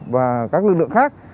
và các lực lượng khác